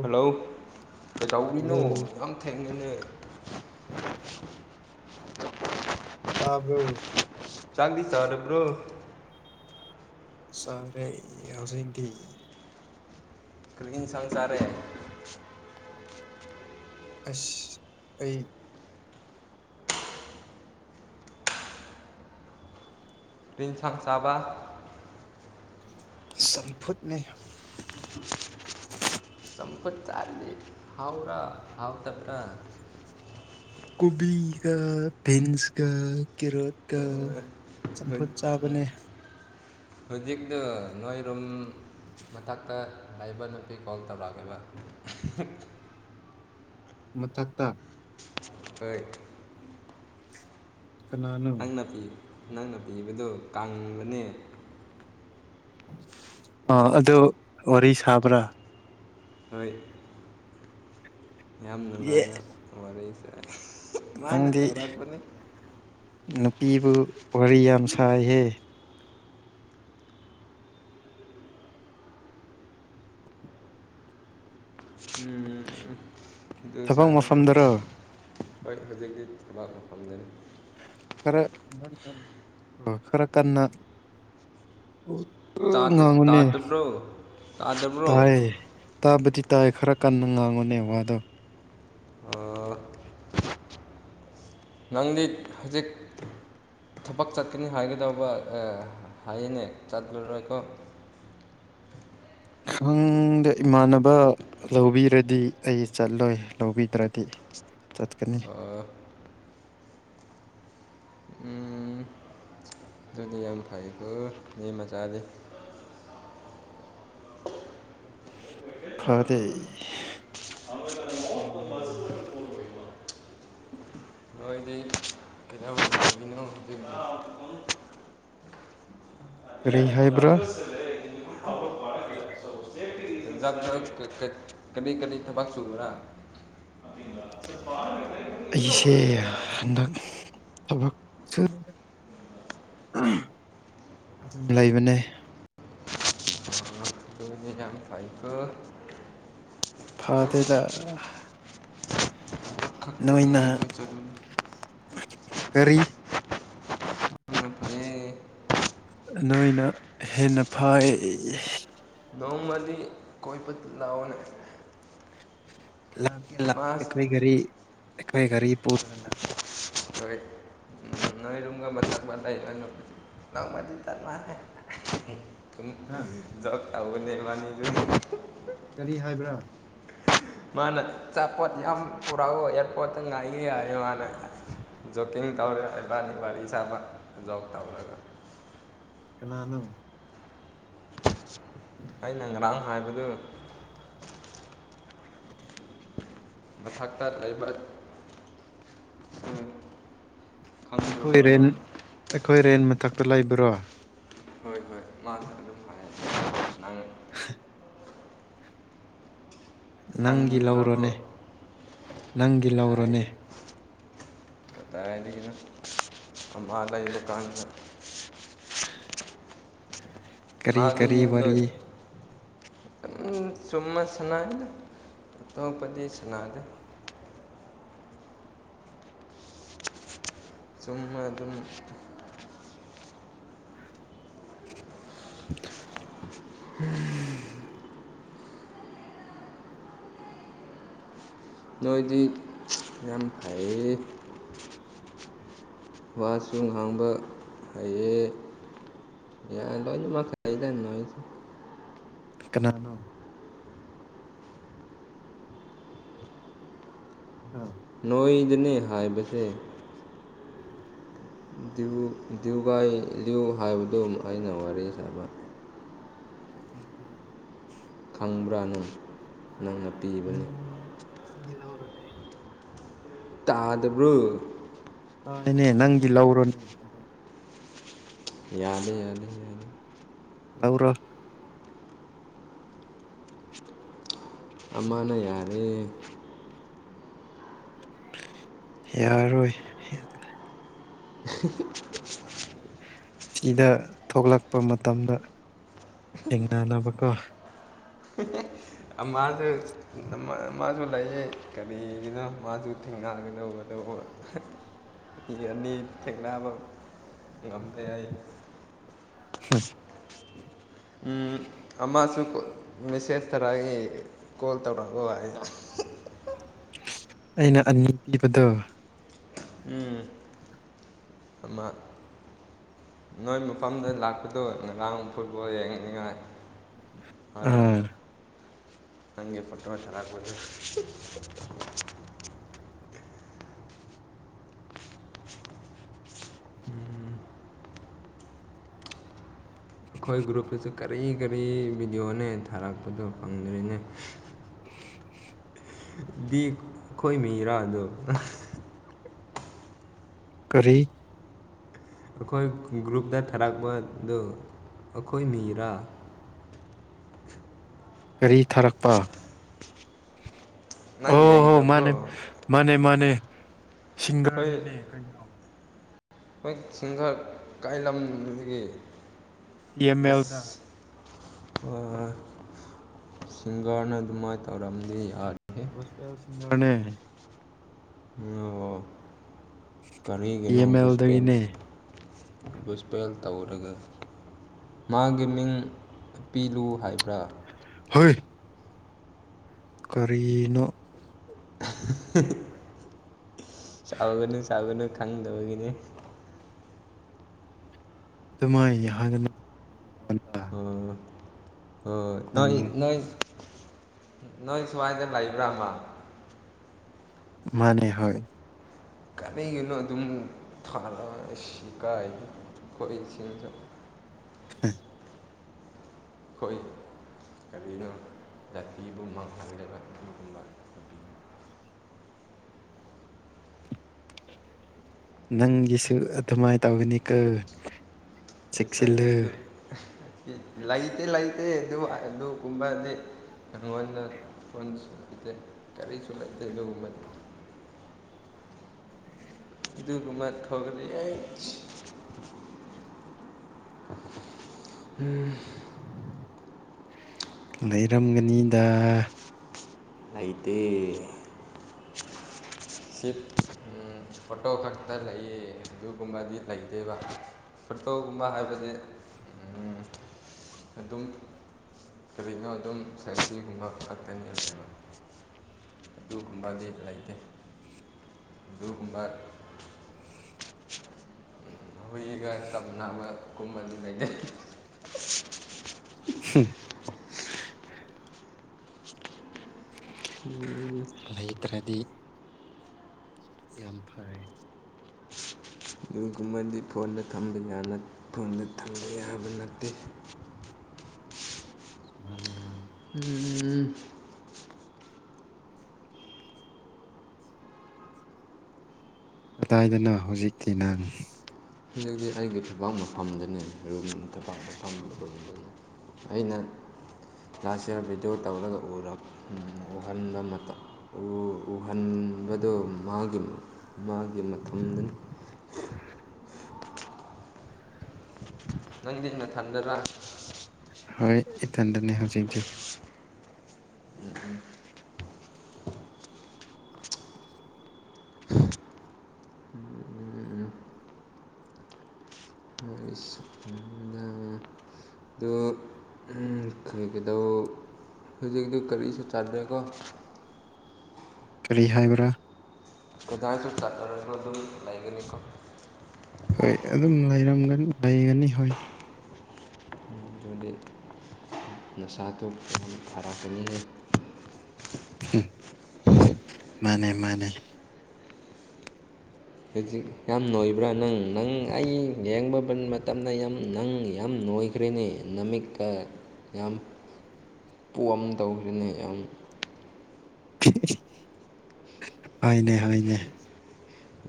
Hello hello ꯀꯩꯆꯥꯎꯕꯤꯅꯣ ꯌꯥꯝ ꯊꯦꯡꯅꯅꯦ ꯑ ꯍꯥꯕ꯭ꯔꯣ ꯆꯥꯡꯗꯤꯁ ꯑꯔꯦ ꯕ꯭ꯔꯣ ꯁꯔꯦ ꯍꯧꯁꯗꯤ ꯀꯔꯤꯅꯤꯡ ꯁꯪꯁꯔꯦ ꯑꯁ ꯑꯩ ꯄꯔꯤꯤꯡ ꯊꯥꯡ ꯆꯥꯕ ꯁꯐꯠꯅꯦ ꯆꯄꯠ ꯆꯥꯔꯂꯤ ꯍꯥꯎ꯭ꯔꯥ ꯍꯥꯎ ꯇꯕ꯭ꯔꯥ ꯀꯣꯕꯤꯒ ꯄꯦꯟꯁꯒ ꯀꯦꯔꯣꯠꯀ ꯆꯝꯐꯨꯠ ꯆꯥꯕꯅꯦ ꯍꯧꯖꯤꯛꯇ ꯅꯣꯏꯔꯨꯝ ꯃꯊꯛꯇ ꯂꯏꯕ ꯅꯨꯄꯤ ꯀꯣꯜ ꯇꯧꯔꯛꯑꯒꯦꯕ ꯃꯊꯛꯛꯇ ꯄꯠ ꯀꯅꯥꯅꯨ ꯅꯪꯅ ꯄꯤꯕꯗꯨꯣ ꯀꯪꯕꯅꯦ ꯑ ꯑꯗꯨ ꯋꯥꯔꯤ ꯁꯥꯕ꯭ꯔꯥ ꯍꯣꯏ ꯌꯥꯝ ꯑꯦ ꯅꯨꯡꯉꯥꯏꯅ ꯋꯥꯔꯤꯁꯥꯏ ꯃꯥꯅ ꯅꯪꯗꯤ ꯇꯧꯔꯛꯄꯅꯤ ꯅꯨꯄꯤꯕꯨ ꯋꯥꯔꯤ ꯌꯥꯝ ꯁꯥꯏꯍꯦ ꯎꯝ ꯑꯗꯨ ꯊꯕꯛ ꯁꯔꯒ ꯃꯐꯝꯗꯔꯣ ꯍꯣꯏ ꯍꯧꯖꯤꯛꯇꯤ ꯊꯕꯥꯛꯐꯝꯗꯔꯤ ꯈꯔ ꯉ ꯈꯔ ꯀꯟꯅ ꯑ ꯉꯒꯨꯅꯦ ꯇꯥꯗꯕ꯭ꯔꯣ ꯇꯥꯗꯕ꯭ꯔꯣ ꯇꯥꯏ ꯇꯥꯕꯗꯤ ꯇꯥꯏ ꯈꯔ ꯀꯟꯅ ꯉꯥꯡꯉꯨꯅꯦ ꯋꯥꯗꯣ ꯅꯪꯗꯤ ꯍꯧꯖꯤꯛ ꯊꯕꯛ ꯆꯠꯀꯅꯤ ꯍꯥꯏꯒꯗꯧꯕ ꯍꯥꯏꯌꯦꯅꯦ ꯆꯠꯂꯔꯣꯏꯀꯣ [inaudible] ꯈꯪꯗ ꯏꯃꯥꯟꯅꯕ ꯂꯧꯕꯤꯔꯗꯤ ꯑꯩ ꯆꯠꯂꯣꯏ ꯂꯧꯕꯤꯗ꯭ꯔꯗꯤ ꯆꯠꯀꯅꯤ g. ꯃꯆꯥꯆꯥꯗ ꯐꯗꯩ ꯅꯣꯏꯗꯤ ꯀꯩꯗꯧꯔꯤꯅꯣ ꯍꯧꯖꯤꯛꯇꯤ ꯀꯔꯤ ꯍꯥꯏꯕ꯭ꯔꯥ ꯀꯔꯤ ꯀꯔꯤ ꯊꯕꯛ ꯆꯨꯕꯔꯥ ꯑꯥ ꯄꯔ ꯌꯦꯂꯈꯜ ꯄ ꯊꯕꯛꯁ ꯑꯗꯨꯝ ꯂꯩꯕꯅꯦ ꯐꯥꯏꯕ ꯐꯥꯗꯦꯗ ꯅ ꯅꯍꯥ ꯀꯔꯤ ꯅꯣꯏꯅ ꯍꯦꯟꯅ ꯐꯩ ꯂꯥꯀ ꯂꯥꯛ ꯀ ꯑꯦ ꯔꯤ ꯑꯦ ꯀꯔꯤ ꯄꯔ ꯂꯥ ꯍꯥꯥ ꯀꯔꯤ ꯍꯥꯏꯕ꯭ꯔꯥ ꯃꯥꯅ ꯆꯄꯣꯠ ꯌꯥꯝ ꯄꯨꯔꯥ ꯑꯦꯔꯄꯣꯠꯠꯇ ꯉꯥꯏ ꯍꯥꯏꯣ ꯃꯥꯅꯦ ꯖꯣꯀꯤꯡ ꯇꯧꯔꯦ ꯏꯕꯥꯅꯤ ꯋꯥꯔꯤ ꯁꯥꯕ ꯖꯣꯛ ꯇꯧꯔꯒ ꯀꯅꯥꯅꯨ ꯑꯩꯅ ꯉꯔꯥꯡ ꯍꯥꯏꯕꯗꯨ ꯃꯊꯛꯇ ꯂꯩꯕ ꯎꯝ ꯑꯩꯈꯣꯏ ꯈꯪꯗ꯭ꯔꯕꯣ ꯔꯦꯟ ꯅꯪ ꯑꯩꯈꯣꯏ ꯔꯦꯟ ꯃꯊꯛꯇ ꯂꯩꯕꯔꯣ ꯍꯣꯏ ꯍꯣꯏ ꯃꯥꯁꯨ ꯑꯗꯨꯝ ꯐ [inaudible] ꯅꯪꯒꯤ ꯈꯪꯗ꯭ꯔꯕꯣ ꯂꯧꯔꯅꯦ ꯅꯪꯒꯤ ꯂꯧꯔꯅꯦ ꯀꯇ ꯑ ꯊꯝꯚꯥꯂ ꯗꯀꯥꯟꯁ ꯀꯔꯤ ꯀꯔꯤ ꯋꯥꯔꯤꯔꯤ ꯎ ꯆꯣꯃ ꯁꯅꯅ ꯇꯄꯗꯤ ꯁꯅꯥꯗ ꯆꯨꯝꯕ ꯑꯗꯨꯝ ꯎꯝ ꯅꯣꯏꯗꯤ ꯌꯥꯝ ꯐꯩꯌꯦ ꯋꯥꯁꯨ ꯉꯥꯡꯕ ꯍꯩꯌꯦꯦ ꯌꯥꯗꯃꯥꯏꯗ ꯀꯅꯥꯅꯣ ꯑ ꯅꯣꯡ ꯏꯗꯅꯦ ꯍꯥꯏꯌꯦ ꯁꯦ ꯗ꯭ꯌꯨꯒꯥꯏ ꯂꯤ꯭ꯨ ꯍꯥꯏꯕꯗꯨ ꯑꯩꯅ ꯋꯥꯔꯤ ꯁꯥꯕ ꯎꯝ ꯎꯝ ꯈꯪꯕ꯭ꯔꯥꯅꯨ ꯎꯝꯂꯔ ꯇꯥꯗꯔꯨ ꯍꯥꯏꯅꯦ ꯅꯪꯗꯤ ꯂꯧꯔꯣꯅꯦ ꯌꯥꯅꯤꯦ ꯌꯥꯅꯤꯦ ꯌꯥꯅꯤꯦ ꯂꯧꯔꯣ ꯑꯃꯅ ꯌꯥꯔꯦ ꯌꯥꯔꯣꯏ ꯌꯥ [unintelligible] ꯁꯤꯗ ꯊꯣꯛꯂꯛꯄ ꯃꯇꯝꯗ ꯍꯡꯅ ꯅꯕꯀꯣ ꯃꯥꯁꯨ ꯃꯥꯁꯨ ꯂꯩꯌꯦ ꯀꯔꯤꯒꯤꯅꯣ ꯃꯥꯁꯨ ꯊꯦꯡꯅꯒꯗꯧꯕꯗ ꯌꯦ ꯑꯅꯤ ꯊꯦꯡꯕ ꯉꯝꯗ ꯍꯥꯏ ꯑꯃꯁꯨ ꯃꯦꯁꯦꯖ ꯊꯔꯥꯒꯤ ꯀꯣꯜ ꯇꯧꯔꯛꯅꯕ ꯍꯥꯏꯖ ꯑꯩꯅ ꯑꯅꯤ ꯄꯤꯕꯗꯣ ꯎꯝ ꯑꯃ ꯅꯣꯏ ꯃꯐꯝꯗ ꯂꯥꯛꯄꯗꯣ ꯉꯔꯥꯡ ꯐꯨꯠꯕꯣꯜ ꯌꯦꯡꯅꯤꯉꯥꯏ ꯑꯗ ꯑꯥ ꯅꯪꯦ ꯐꯇ꯭ꯔꯣ ꯆꯂ ꯑꯣꯏꯣꯏꯅ ꯎꯝ ꯑꯩꯈꯣꯏ ꯒ꯭ꯔꯨꯞꯇꯁꯨ ꯀꯔꯤ ꯀꯔꯤ ꯚꯤꯗꯤꯑꯣꯅꯦ ꯊꯥꯔꯛꯄꯗꯣ ꯐꯪꯗꯔꯤꯅꯦ ꯗꯤ ꯑꯩꯈꯣꯏ ꯃꯤ ꯏꯔꯥꯗꯣ ꯀꯔꯤ ꯑꯩꯈꯣꯏ ꯒ꯭ꯔꯨꯞꯇ ꯊꯥꯔꯛꯄꯗꯨ ꯑꯩꯈꯣꯏ ꯅꯤꯔꯥ ꯀꯔꯤ ꯊꯥꯔꯛꯄ ꯅꯪ ꯑꯣ ꯍꯣ ꯌꯦꯡꯗꯕ꯭ꯔꯣ ꯃꯥꯅꯦ ꯃꯥꯅꯦ ꯃꯥꯅꯦ ꯁꯤꯡꯒꯔꯅꯤꯅꯦ ꯑꯩꯈꯣꯏ ꯀꯩꯅꯣ ꯍꯣꯏ ꯁꯤꯡꯒ ꯀꯥꯏ ꯂꯝꯗꯒꯤ ꯄꯦꯝ ꯑꯦꯜꯗ ꯑꯁ ꯁꯤꯡꯒꯔꯅ ꯑꯗꯨꯃꯥꯏꯅ ꯇꯧꯔꯝꯗꯤ ꯌꯥꯔꯦ ꯁꯄꯦꯜ ꯁꯤꯁꯤꯡꯒꯥꯔꯅꯦ ꯑꯣ ꯇꯤ ꯀꯔꯤꯔꯤꯒꯅꯨ ꯑꯦꯝ ꯑꯦꯜꯗꯒꯤꯅꯦ ꯨꯁꯄꯦꯟꯦꯟ ꯁꯄꯦꯜ ꯇꯧꯔꯒ ꯃꯥꯒꯤ ꯃꯤꯡ ꯄꯤꯂꯨ ꯍꯥꯏꯕ꯭ꯔꯥ ꯍꯣꯏ ꯀꯔꯤꯅꯣ [unintelligible] ꯆꯥꯒꯅꯤ ꯆꯥꯒꯅꯤ ꯈꯪꯗꯕꯒꯤꯅꯤ ꯑꯗꯨꯃꯥꯏ ꯍꯥꯏꯗꯅ ꯎꯝ ꯍꯣꯏꯣꯏ ꯅꯪ ꯅꯣꯏ ꯅꯣꯏ ꯅꯣꯏ ꯁ꯭ꯋꯥꯏꯗ ꯂꯩꯕ꯭ꯔꯥꯃ ꯃꯅꯦ ꯍ ꯀꯔꯤꯒꯤꯅꯣ ꯑꯗꯨꯝ ꯊꯥꯜꯂꯛꯑꯒ ꯁꯤ ꯀꯥꯏ ꯍꯣꯏ ꯆꯖ ꯎ ꯍꯣꯏ ꯀꯔꯤꯅꯣ ꯖꯥꯇꯤꯒꯨꯝꯕꯗꯒ ꯑꯗꯨꯒꯨꯝꯕ ꯅꯪꯒꯤꯁꯨ ꯑꯗꯨꯃꯥꯏꯅ ꯇꯧꯒꯅꯤ ꯀꯣ ꯑꯦꯁ ꯏꯩꯅꯗꯨ ꯂꯩꯇꯦ ꯂꯩꯇꯦ ꯑꯗꯨ ꯑꯗꯨꯒꯨꯝꯕꯗꯤ ꯅꯪꯉꯣꯟꯗ ꯐꯣꯟꯁꯨ ꯂꯩꯇꯦ ꯀꯔꯤꯁꯨ ꯂꯩꯇꯦ ꯑꯗꯨꯒꯨꯝꯕꯗꯤ [unintelligible] ꯏꯗꯨ ꯀꯨꯃꯥ ꯊꯒꯔꯦ ꯎꯝ ꯂꯩꯔꯝꯒꯅꯤꯗ ꯑꯏꯇꯩ ꯁꯤꯞ ꯐꯣꯇꯣ ꯈꯛꯇ ꯂꯩ ꯑꯗꯨꯒꯨꯝꯕꯗꯤ ꯂꯩꯇꯦꯕ ꯐꯨꯠꯕꯣꯜꯒꯨꯝꯕ ꯍꯥꯏꯕꯗꯤ ꯑꯗꯨꯝ ꯀꯔꯤꯅꯣ ꯑꯗꯨꯝ ꯁꯦꯐꯤꯒꯨꯝꯕ ꯉꯥꯛꯀꯅꯤꯅ ꯑꯗꯨꯒꯨꯝꯕꯗꯤ ꯂꯩꯇꯦ ꯑꯗꯨꯒꯨꯝꯕ ꯍꯧꯏꯒ ꯇꯞ ꯅꯥꯕ ꯀꯨꯝꯕ ꯑꯗꯨꯝ ꯂꯩꯇꯩ ꯍꯝ ꯂꯩꯇ꯭ꯔꯗꯤ ꯌꯥꯝ ꯐꯥꯏ ꯑꯗꯨꯒꯨꯝꯕꯗꯤ ꯐꯣꯟꯗ ꯊꯝꯕ ꯐꯣꯟꯗ ꯊꯝꯕ ꯌꯥꯕ ꯅꯠꯇꯦ [unintelligible] ꯃꯥꯅꯦ ꯃꯥꯅꯦ ꯎꯝ ꯀꯗꯥꯏꯗꯅꯣ ꯍꯧꯖꯤꯛꯇꯀꯤ ꯅꯪ ꯍꯧꯖꯤꯛꯇꯤ ꯑꯩꯒꯤ ꯐꯩꯕꯥꯛ ꯃꯐꯝꯗꯅꯦ ꯔꯨꯝ ꯐꯩꯕꯥꯛ ꯃꯐꯝ ꯑꯣꯏꯕ ꯑꯩꯅ ꯂꯥꯁ ꯏꯌꯥꯔ ꯚꯤꯗꯤꯑꯣ ꯇꯧꯔꯒ ꯎꯍꯟꯕ ꯃꯇꯝ ꯐꯍꯟꯕꯗꯣ ꯃꯥꯒꯤ ꯃꯥꯒꯤ ꯃꯇꯝꯗꯅꯤ ꯅꯪꯗꯤ ꯍꯟꯅ ꯊꯟꯗꯔꯥ ꯍꯣꯏ ꯏꯊꯟꯗꯅꯦ ꯍꯧꯖꯤꯛꯇꯤ ꯑꯗꯨ ꯀꯩꯗꯧ ꯍꯧꯖꯤꯛꯇꯤ ꯀꯔꯤꯁꯨ ꯆꯗꯦꯀꯣ ꯀꯔꯤ ꯍꯥꯏꯥꯏꯕ꯭ꯔꯥ ꯑꯦꯗꯥꯁꯨ ꯆꯥꯟꯅꯔꯒ ꯑꯗꯨꯝ ꯂꯩꯒꯅꯤꯀꯣ ꯍꯣꯏ ꯑꯗꯨꯝꯝ ꯂꯩꯒꯅꯤ ꯍꯣꯏ ꯑꯗꯨꯗꯤ ꯅꯁꯥꯗꯨꯣ ꯌꯥꯝꯅ ꯐꯥꯔꯛꯀꯅꯤ ꯃꯥꯅꯦ ꯃꯥꯅꯦ ꯍꯧꯖꯤꯛ ꯌꯥꯝ ꯅꯣꯏꯕ꯭ꯔꯥ ꯅꯪ ꯅꯪ ꯑꯩ ꯌꯦꯡꯕ ꯃꯇꯝꯗ ꯌꯥꯝ ꯅꯪ ꯌꯥꯝ ꯅꯣꯏꯈ꯭ꯔꯦꯅꯦ ꯅꯃꯤꯠꯀ ꯌꯥꯝ ꯄꯣꯑꯝ ꯇꯧꯈ꯭ꯔꯦꯅꯦ ꯌꯥꯝ ꯍꯅꯦ ꯍꯅꯦ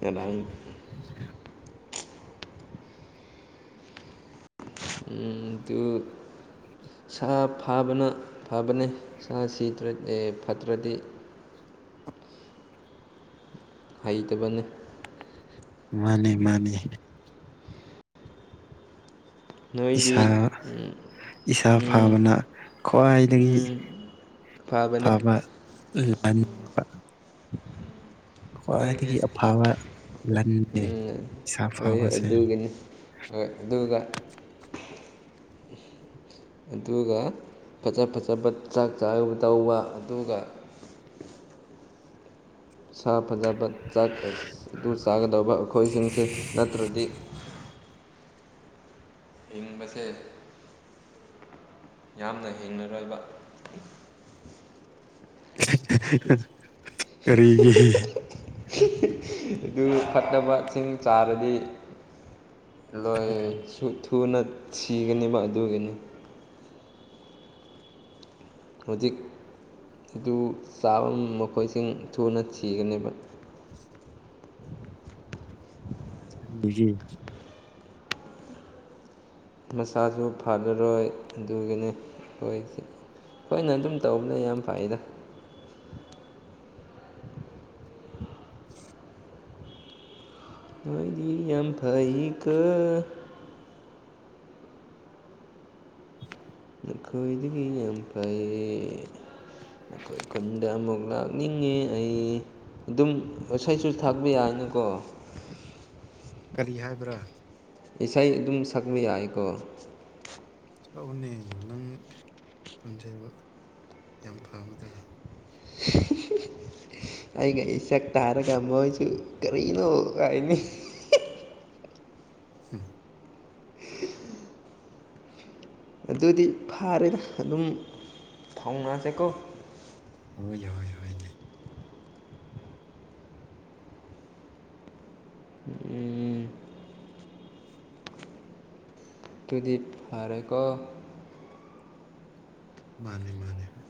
ꯑꯗꯥ [unintelligible] ꯎ ꯑꯗꯨ ꯁꯥ ꯐꯥꯕꯅ ꯐꯕꯅꯦ ꯁꯥ ꯁꯤꯗꯤ ꯐꯠꯇ꯭ꯔꯗꯤ [unintelligible] ꯍꯩꯇꯕꯅꯤ ꯃꯥꯅꯦ ꯃꯥꯅꯦ ꯅꯣꯏꯗꯤ ꯏꯁꯥ ꯏꯁꯥ ꯐꯥꯕꯅ ꯈ꯭ꯋꯥꯏꯗꯒꯤ ꯐꯕꯅꯤ ꯄꯕꯕ ꯣꯏꯒꯤ ꯂꯟꯅꯦ ꯎꯝ ꯏꯁꯥ ꯍꯣꯏꯣꯏ ꯐꯕꯁꯦ ꯑꯗꯨꯒꯤꯅꯤ ꯑ ꯑꯗꯨꯒꯒ ꯑꯗꯨꯒ ꯐꯖ ꯐꯖꯕ ꯆꯥꯛ ꯆꯥꯕ ꯇꯧꯕ ꯑꯗꯨꯒ ꯁꯥ ꯐꯖꯕ ꯆꯥꯛ ꯑꯗꯨ ꯆꯥꯒꯗꯧꯕ ꯑꯩꯈꯣꯏꯁꯤꯡꯁꯦ ꯅꯠꯇ꯭ꯔꯗꯤ [inaudible] ꯏꯕꯁꯦ ꯌꯥꯝꯅ ꯍꯦꯡꯅꯔꯣꯏꯕ ꯀꯔꯤꯒꯤ ꯑꯗꯨ ꯐꯠꯇꯕꯁꯤꯡ ꯆꯥꯔꯗꯤ ꯂꯣꯏ ꯁꯨ ꯊꯨꯅ ꯁꯤꯒꯅꯦꯕ ꯑꯗꯨꯒꯤꯅꯤ ꯍꯧꯖꯤꯛ ꯑꯗꯨ ꯆꯥꯕ ꯃꯈꯣꯏꯁꯤꯡ ꯊꯨꯅ ꯊꯤꯒꯅꯦꯕ ꯎꯝ ꯖꯤ ꯃꯁꯥꯁꯨ ꯐꯔꯔꯣꯏ ꯑꯗꯨꯒꯅꯤ ꯑꯩꯈꯣꯏꯁ ꯍꯣꯏꯅ ꯑꯗꯨꯝ ꯇꯧꯕꯅ ꯌꯥꯝ ꯐꯩꯗ [inaudible] ꯃꯣꯏꯗꯤ ꯑ ꯐꯩ ꯀꯦ ꯑꯩꯈꯣꯏ ꯗꯒꯐꯩꯌꯦ ꯑꯩꯈꯣꯏ ꯈꯨꯟꯗ ꯑꯃꯨꯛ ꯂꯥꯛꯅꯤꯡꯉꯤ ꯑꯩ ꯑꯗꯨꯝ ꯏꯁꯩꯁꯨ ꯊꯥꯛꯄ ꯌꯥꯅꯤꯀꯣ ꯀꯔꯤ ꯍꯥꯏꯕ꯭ꯔꯥ ꯏꯁꯩ ꯑꯗꯨꯝ ꯁꯛꯄ ꯌꯥꯏꯀꯣ ꯆꯥꯛꯎꯅꯦ ꯅꯪ ꯈꯨꯟꯁꯦꯜ ꯌꯥꯝ ꯐꯕꯗꯔꯥ ꯑꯩꯒꯤ ꯑꯦꯁꯛ ꯇꯥꯔꯒꯝꯕ ꯆꯁꯨ ꯀꯔꯤꯅꯣ ꯍꯥꯏꯅꯤ ꯑ ꯑꯗꯨꯗꯤ ꯐꯥꯔꯦꯅ ꯑꯗꯨꯝ ꯊꯥꯎꯅꯔꯁꯦꯀꯣ ꯍꯣꯏ ꯍꯣꯏ ꯍꯣꯏꯅꯦ ꯎꯝ ꯑꯗꯨꯗꯤ ꯐꯔꯦꯀꯣ ꯃꯥꯅꯦ ꯃꯥꯅꯦ ꯍꯥꯏ